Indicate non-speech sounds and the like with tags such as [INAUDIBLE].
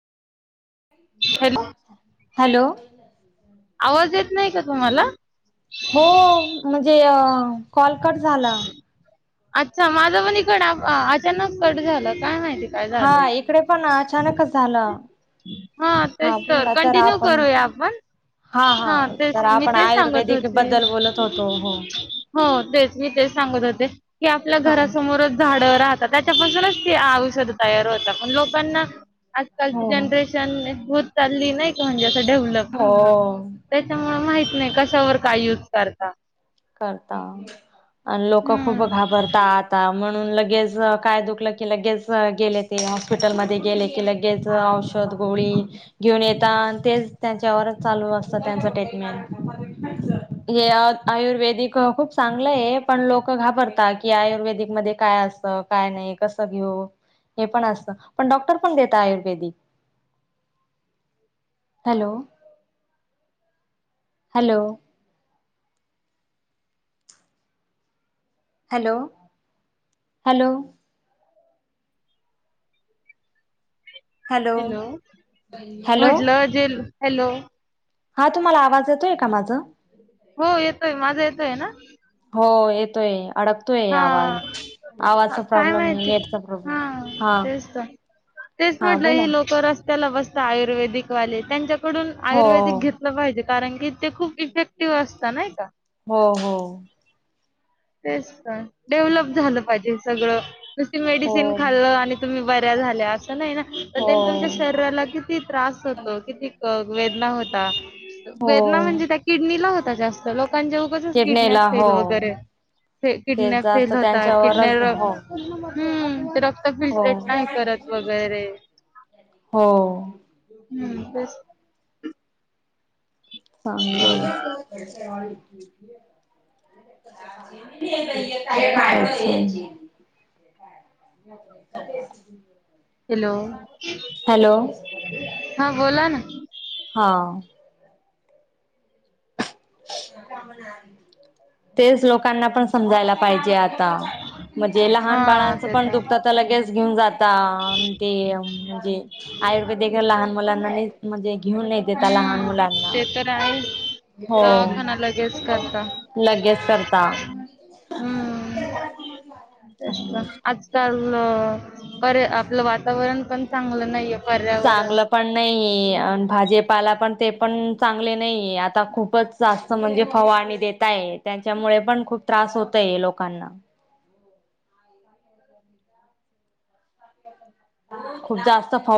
Hello hello आवाज येत नाही का तुम्हाला? हो म्हणजे अ कॉल कट झाला. अच्छा माझं पण इकडं अचानक कट झालं काय माहिती काय हा झालं. इकडे पण अचानकच झालं. हा तेच तर कंटिन्यू करूया आपण हा तेच तर मी आपण तेच सांगत आयुर्वेदिक होते, बद्दल बोलत होतो हो. हो तेच मी तेच सांगत होते. की आपल्या हो घरासमोरच झाडं राहतात त्याच्यापासूनच ते औषधं तयार होता पण लोकांना आजकालची जनरेशन होत चालली नाही का म्हणजे असं डेव्हलप, हो त्याच्यामुळे माहित नाही कशावर काय यूज करता. करता, आणि लोकं खूप हम्म घाबर ता आता म्हणून लगेच, काय दुखलं की लगेच अ गेले ते हॉस्पिटलमध्ये गेले की लगे च औषध, गोळी घेऊन येता आणि तेच त्यांच्यावर चालू असता त्यांचा टेटमेंट. ह्या आयुर्वेदिक खूप चांगलं आहे, पण लोक घाबरता की आयुर्वेदिक मध्ये काय असतं काय नाही हे कसं घेऊ, हे पण असतं पण डॉक्टर पण देता आयुर्वेदिक. [INAUDIBLE] Hello, hello hello, hello hello, hello म्हटलं जे हॅलो हा तुम्हाला आवाज येतोय का माझं? हो येतोय. माझा येतोय ना? हो येतोय अडकतोय आवाज हा, आवाजचा काय प्रॉब्लेम आहे माहिती? नेटचा प्रॉब्लेम हा हा तेच तर तेच हा म्हटलं बोला हे ना. लोक रस् त्याला बसता आयुर्वेदिक वाले त्यांच्याकडून, हो आयुर्वेदिक घेतलं पाहिजे कारण की ते खूप इफेक्टिव्ह असता नाही का? हो हो तेच तर डेव्हलप झालं पाहिजे हे सगळं मेडिसिन हो खाल्लं आणि तुम्ही बऱ्या झाल्या असं नाही ना, त्यांच्या तुमच्या हो शरीराला किती त्रास होतो किती वेद ना होता, वेदना हो म्हणजे त्या किडनीला होता जास्त लो कांचे उगचच किडन्या किडनीला फेल हो वगैरे फे ते किडन्या जास्त फेल होताय त्यांच्यावरच किडन्या हो हम ते रक्त हो फिल्टरेट नाही करत. वगैरे हो हम्म तेच. चांगलंय [INAUDIBLE] [UNINTELLIGIBLE] [UNINTELLIGIBLE] हॅलो. हॅलो हा बोला ना. हा तेच लोकांना पण समजायला पाहिजे आता, म्हणजे लहान हा बाळांचं ते पण दुखतं तर आता लगेच घेऊन जात ता ते म्हणजे, आयुर्वेदिक लहान मुलांना ने म्हणजे घेऊन येते त्या लहान हम्म मुलांना ते तर आहेच. हो, दवाखाना लगेच करता. लगेच करता हम्म. [UNINTELLIGIBLE] चांगली गोष्ट आहे आजकाल अ बरे आपलं वातावरण पण चांगलं नाही. चांगलं पण नाही, अन भाजेपाला पण ते पण चांगले नाहीे आता खूपच जास्त म्हणजे फवारणी देतायत त्यांच्यामुळे पण खूप त्रास होतोय लोकांना खूप जास्त फव